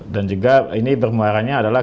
dan juga ini bermuaranya adalah